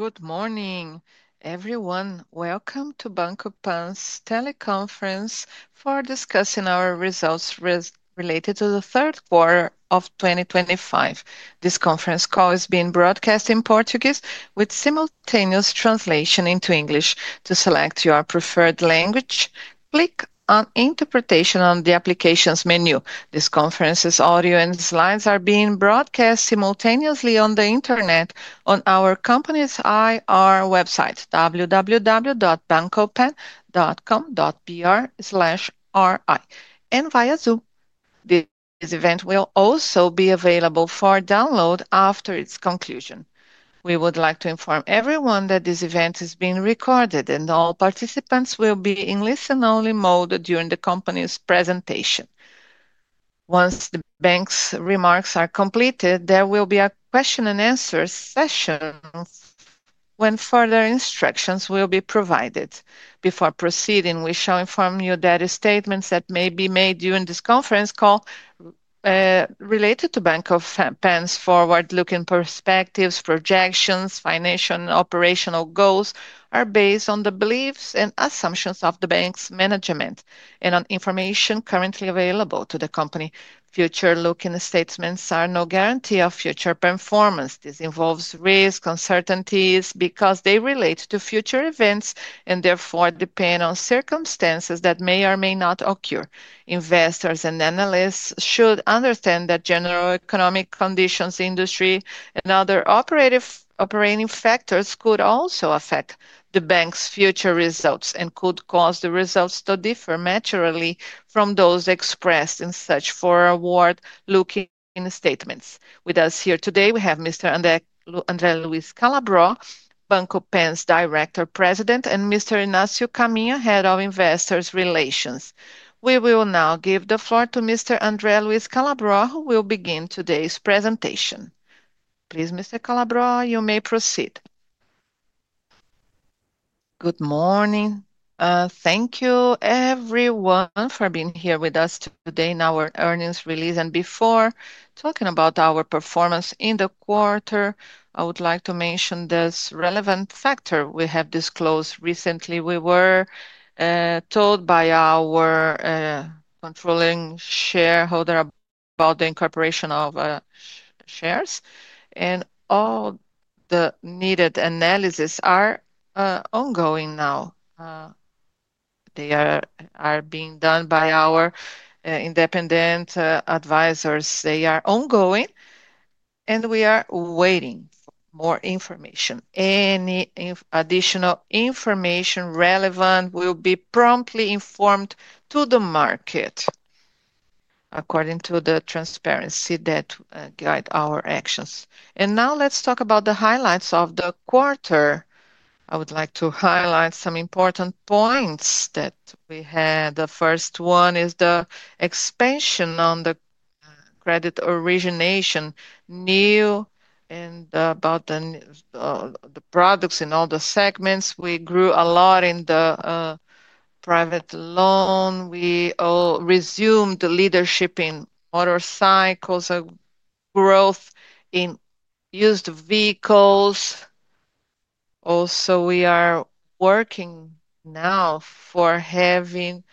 Good morning, everyone. Welcome to Banco PAN's Teleconference for discussing our results related to the third quarter of 2025. This conference call is being broadcast in Portuguese with simultaneous translation into English. To select your preferred language, click on "Interpretation" on the Applications menu. This conference's audio and slides are being broadcast simultaneously on the internet on our company's IR website, www.bancopan.com.br/ri, and via Zoom. This event will also be available for download after its conclusion. We would like to inform everyone that this event is being recorded, and all participants will be in listen-only mode during the company's presentation. Once the bank's remarks are completed, there will be a question-and-answer session when further instructions will be provided. Before proceeding, we shall inform you that statements that may be made during this conference call related to Banco PAN's forward-looking perspectives, projections, financial and operational goals are based on the beliefs and assumptions of the bank's management and on information currently available to the company. Future-looking statements are no guarantee of future performance. This involves risk uncertainties because they relate to future events and therefore depend on circumstances that may or may not occur. Investors and analysts should understand that general economic conditions, industry, and other operating factors could also affect the bank's future results and could cause the results to differ naturally from those expressed in such forward-looking statements. With us here today, we have Mr. André Luís Calabro, Banco PAN's Director-President, and Mr. Icnáio Caminho, Head of Investor Relations. We will now give the floor to Mr. André Luís Calabro, who will begin today's presentation. Please, Mr. Calabro, you may proceed. Good morning. Thank you, everyone, for being here with us today in our earnings release. Before talking about our performance in the quarter, I would like to mention this relevant factor we have disclosed recently. We were told by our controlling shareholder about the incorporation of shares, and all the needed analyses are ongoing now. They are being done by our independent advisors. They are ongoing, and we are waiting for more information. Any additional information relevant will be promptly informed to the market according to the transparency that guides our actions. Now let's talk about the highlights of the quarter. I would like to highlight some important points that we had. The first one is the expansion on the credit origination, new, and about the products in all the segments. We grew a lot in the private loan. We resumed leadership in motorcycles, growth in used vehicles. Also, we are working now for having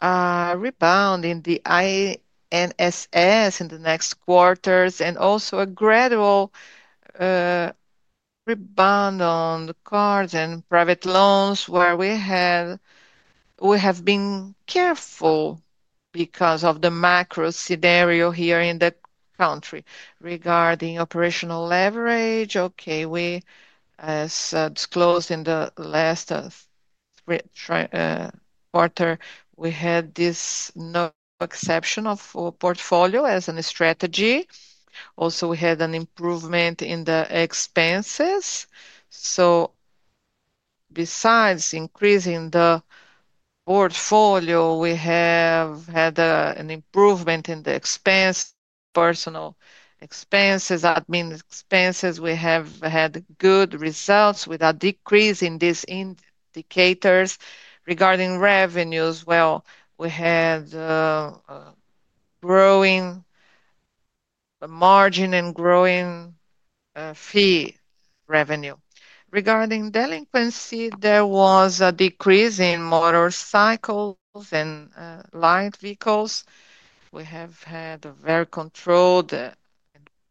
a rebound in the INSS in the next quarters and also a gradual rebound on cards and private loans where we have been careful because of the macro scenario here in the country regarding operational leverage. As disclosed in the last quarter, we had this no exception of portfolio as a strategy. Also, we had an improvement in the expenses. Besides increasing the portfolio, we have had an improvement in the expense, personal expenses, admin expenses. We have had good results with a decrease in these indicators regarding revenues. We had growing margin and growing fee revenue. Regarding delinquency, there was a decrease in motorcycles and light vehicles. We have had a very controlled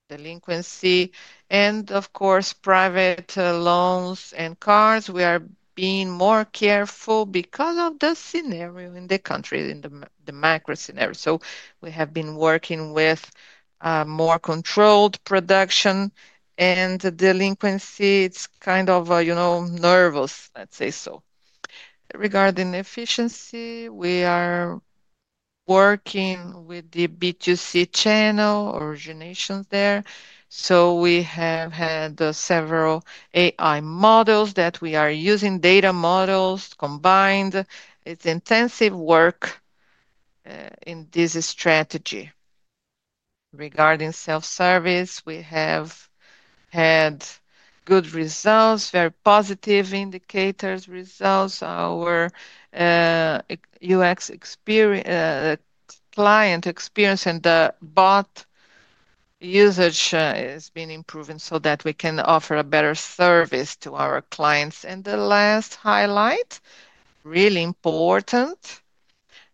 delinquency. Of course, private loans and cards, we are being more careful because of the scenario in the country, in the macro scenario. We have been working with more controlled production. Delinquency, it's kind of, you know, nervous, let's say so. Regarding efficiency, we are working with the B2C channel origination there. We have had several AI models that we are using, data models combined. It's intensive work in this strategy. Regarding self-service, we have had good results, very positive indicators results. Our UX client experience and the bot usage has been improving so that we can offer a better service to our clients. The last highlight, really important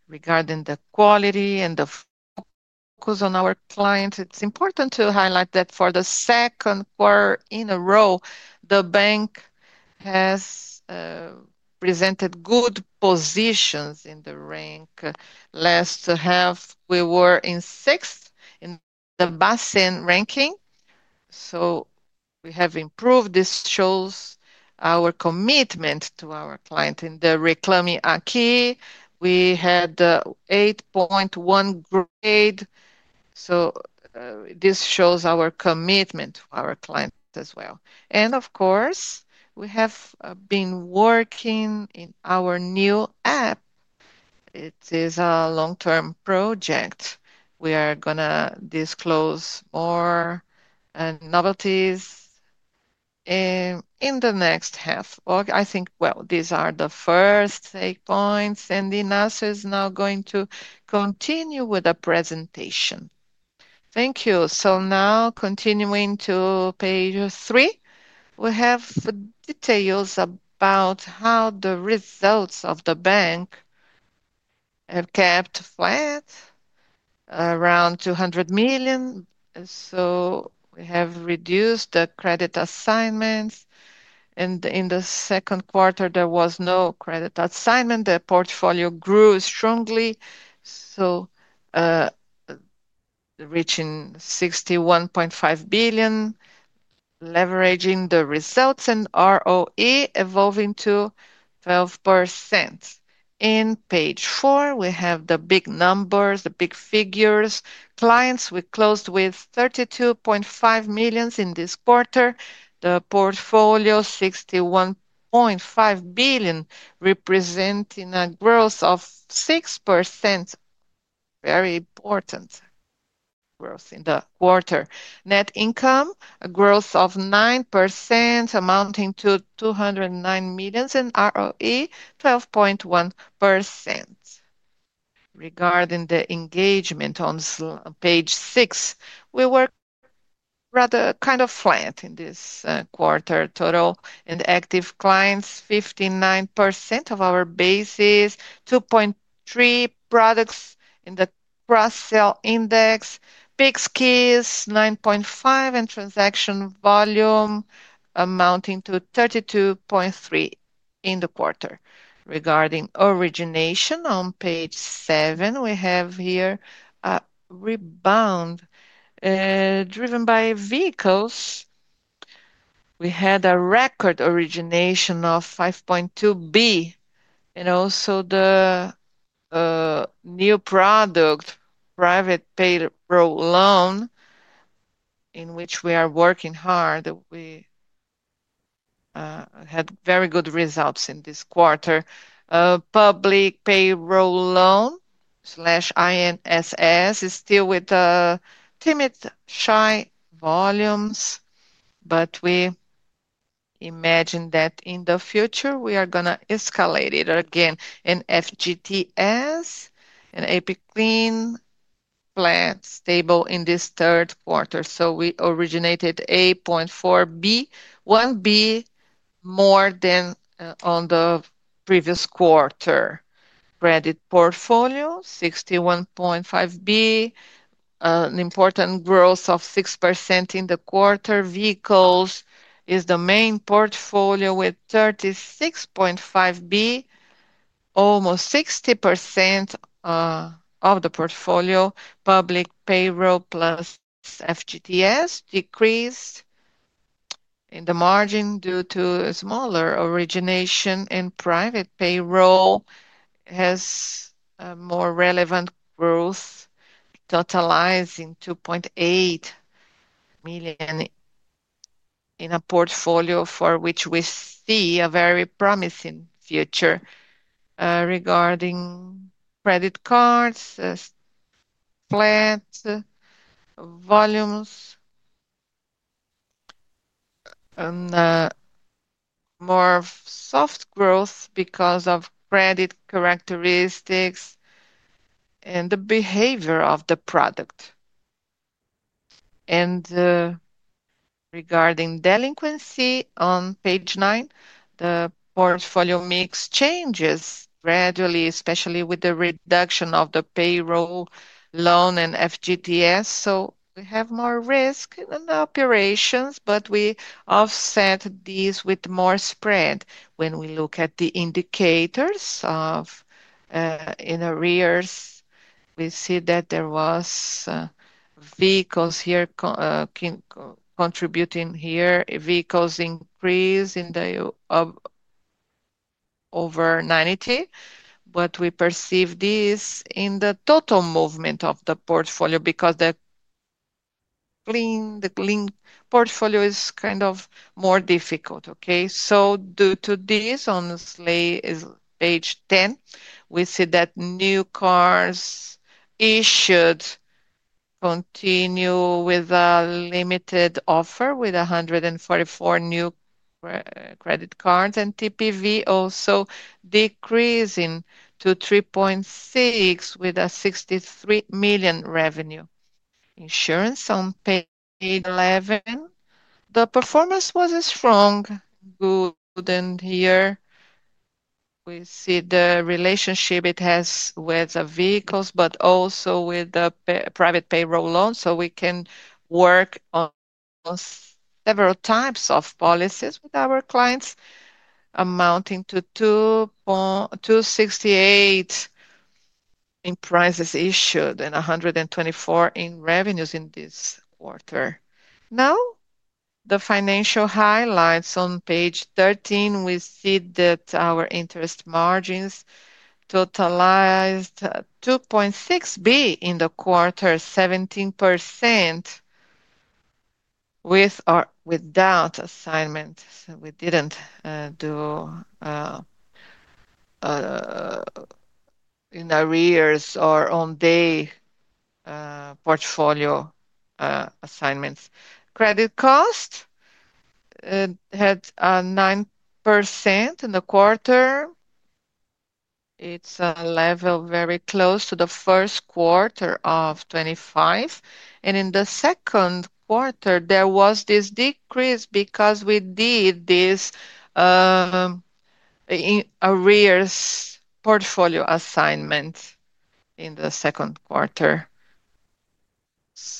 regarding the quality and the focus on our clients, it's important to highlight that for the second quarter in a row, the bank has presented good positions in the rank. Last half, we were in sixth in the BACEN ranking. We have improved. This shows our commitment to our client in the Reclame Aqui. We had 8.1 grade. This shows our commitment to our client as well. Of course, we have been working in our new app. It is a long-term project. We are going to disclose more novelties in the next half. I think these are the first eight points, and Inácio is now going to continue with the presentation. Thank you. Now, continuing to page three, we have details about how the results of the bank have kept flat, around 200 million. We have reduced the credit assignments. In the second quarter, there was no credit assignment. The portfolio grew strongly, reaching 61.5 billion, leveraging the results and ROE evolving to 12%. In page four, we have the big numbers, the big figures. Clients, we closed with 32.5 million in this quarter. The portfolio, 61.5 billion, representing a growth of 6%, very important growth in the quarter. Net income, a growth of 9%, amounting to 209 million in ROE, 12.1%. Regarding the engagement on page six, we were rather kind of flat in this quarter. Total and active clients, 59% of our basis, 2.3 products in the cross-sell index, big skis 9.5, and transaction volume amounting to 32.3 billion in the quarter. Regarding origination, on page seven, we have here a rebound driven by vehicles. We had a record origination of 5.2 billion, and also the new product, private payroll loan, in which we are working hard. We had very good results in this quarter. Public payroll loan slash INSS is still with timid, shy volumes, but we imagine that in the future, we are going to escalate it again. FGTS and [AP Clean Plan] stable in this third quarter. We originated 8.4 billion, 1 billion more than on the previous quarter. Credit portfolio, 61.5 billion, an important growth of 6% in the quarter. Vehicles is the main portfolio with 36.5 billion, almost 60% of the portfolio. Public payroll plus FGTS decreased in the margin due to smaller origination, and private payroll has more relevant growth, totalizing 2.8 million in a portfolio for which we see a very promising future. Regarding credit cards, flat volumes, and more soft growth because of credit characteristics and the behavior of the product. Regarding delinquency, on page nine, the portfolio mix changes gradually, especially with the reduction of the payroll loan and FGTS. We have more risk in the operations, but we offset these with more spread. When we look at the indicators of in arrears, we see that there were vehicles here contributing here. Vehicles increased in the over 90, but we perceive this in the total movement of the portfolio because the clean portfolio is kind of more difficult, okay. Due to this, on slate page 10, we see that new cars issued continue with a limited offer with 144 new credit cards, and TPV also decreasing to 3.6 billion with a 63 million revenue. Insurance on page 11, the performance was a strong good in here. We see the relationship it has with the vehicles, but also with the private payroll loan. We can work on several types of policies with our clients amounting to 268 in prices issued and 124 in revenues in this quarter. Now, the financial highlights on page 13, we see that our interest margins totalized 2.6 billion in the quarter, 17% with or without assignments. We did not do in arrears or on-day portfolio assignments. Credit cost had 9% in the quarter. It's a level very close to the first quarter of 2025. In the second quarter, there was this decrease because we did this arrears portfolio assignment in the second quarter.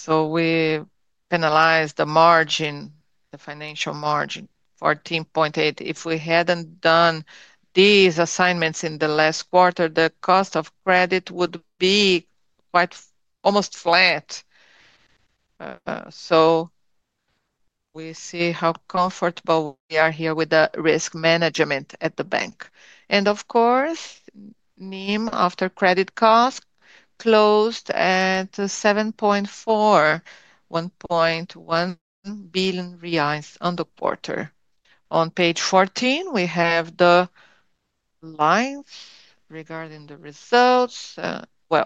We penalized the margin, the financial margin, 14.8 million. If we hadn't done these assignments in the last quarter, the cost of credit would be quite almost flat. We see how comfortable we are here with the risk management at the bank. Of course, NIM after credit cost closed at 7.4%, 1.1 billion reais on the quarter. On page 14, we have the lines regarding the results.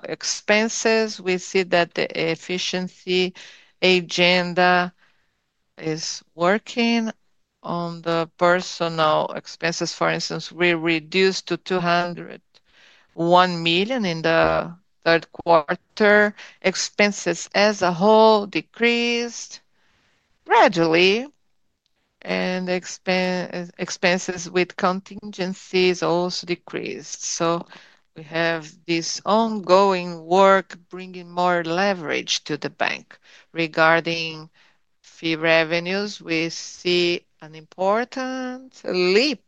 Expenses, we see that the efficiency agenda is working on the personal expenses. For instance, we reduced to 201 million in the third quarter. Expenses as a whole decreased gradually, and expenses with contingencies also decreased. We have this ongoing work bringing more leverage to the bank. Regarding fee revenues, we see an important leap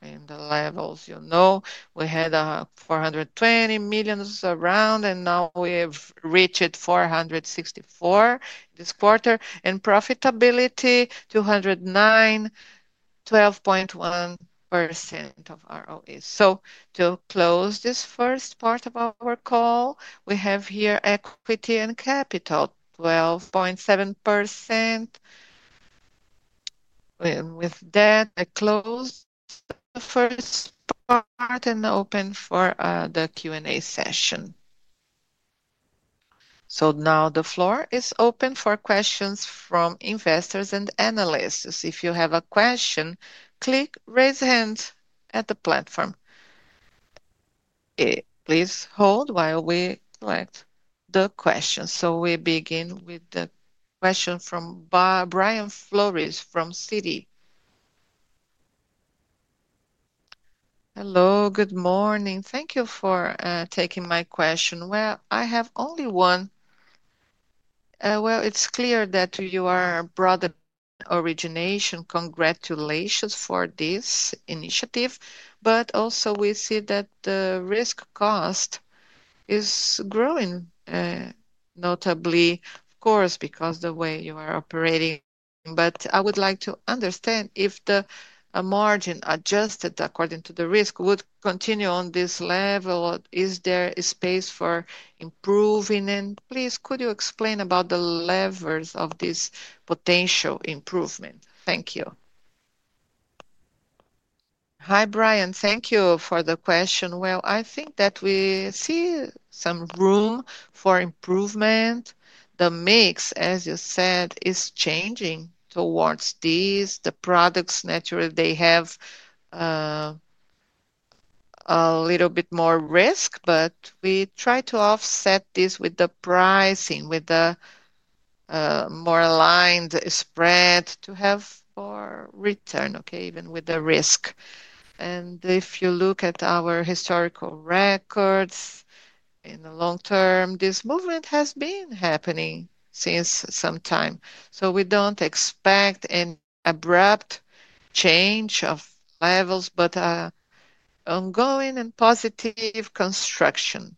in the levels. You know, we had 420 million around, and now we have reached 464 million this quarter. And profitability, 209 million, 12.1% of ROE. To close this first part of our call, we have here equity and capital, 12.7%. With that, I close the first part and open for the Q&A session. The floor is open for questions from investors and analysts. If you have a question, click raise hand at the platform. Please hold while we collect the questions. We begin with the question from Brian Flores from Citi. Hello, good morning. Thank you for taking my question. I have only one. It is clear that you are broader origination. Congratulations for this initiative. Also, we see that the risk cost is growing notably, of course, because of the way you are operating. I would like to understand if the margin adjusted according to the risk would continue on this level. Is there space for improving? Please, could you explain about the levers of this potential improvement? Thank you. Hi, Brian. Thank you for the question. I think that we see some room for improvement. The mix, as you said, is changing towards these. The products, naturally, they have a little bit more risk, but we try to offset this with the pricing, with the more aligned spread to have for return, even with the risk. If you look at our historical records in the long term, this movement has been happening since some time. We do not expect an abrupt change of levels, but ongoing and positive construction.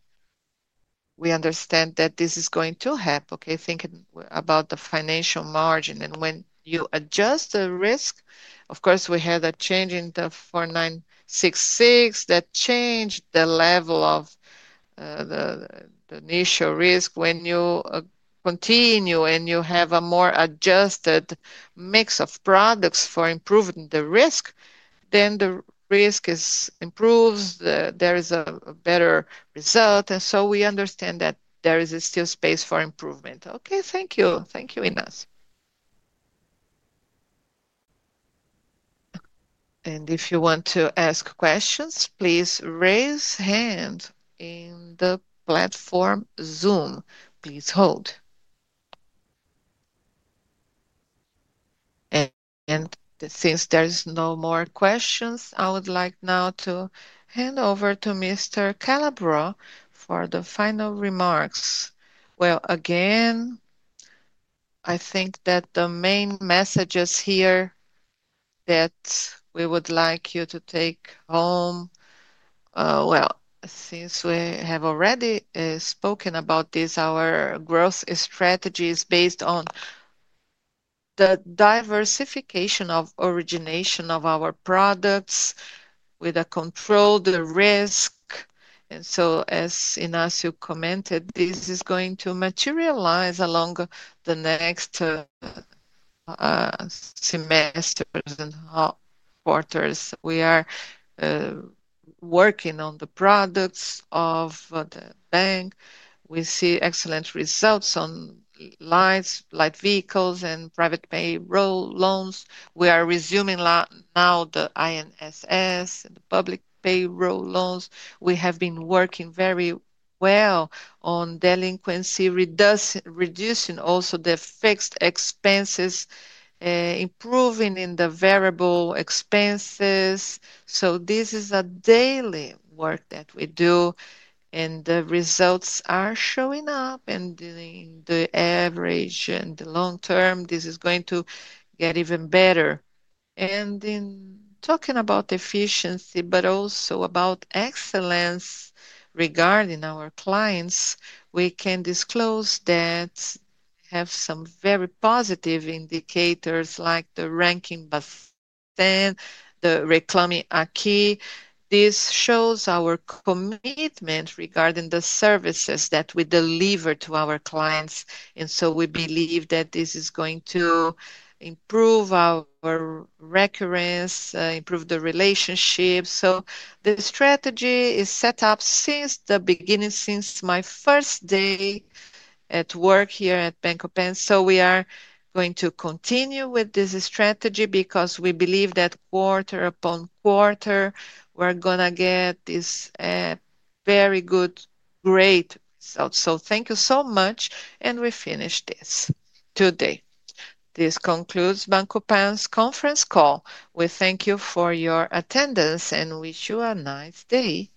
We understand that this is going to happen, okay, thinking about the financial margin. When you adjust the risk, of course, we had a change in the 4966 that changed the level of the initial risk. When you continue and you have a more adjusted mix of products for improving the risk, then the risk improves, there is a better result. We understand that there is still space for improvement. Okay, thank you. Thank you, Inácio. If you want to ask questions, please raise hand in the platform Zoom. Please hold. Since there are no more questions, I would like now to hand over to Mr. Calabro for the final remarks. I think that the main messages here that we would like you to take home, since we have already spoken about this, our growth strategy is based on the diversification of origination of our products with a controlled risk. As Inácio commented, this is going to materialize along the next semesters and quarters. We are working on the products of the bank. We see excellent results on light vehicles and private payroll loans. We are resuming now the INSS and the public payroll loans. We have been working very well on delinquency, reducing also the fixed expenses, improving in the variable expenses. This is a daily work that we do, and the results are showing up. In the average and the long term, this is going to get even better. In talking about efficiency, but also about excellence regarding our clients, we can disclose that we have some very positive indicators like the ranking and the Reclame Aqui. This shows our commitment regarding the services that we deliver to our clients. We believe that this is going to improve our recurrence, improve the relationship. The strategy is set up since the beginning, since my first day at work here at Banco PAN. We are going to continue with this strategy because we believe that quarter upon quarter, we're going to get this very good, great result. Thank you so much. We finish this today. This concludes Banco PAN's conference call. We thank you for your attendance and wish you a nice day.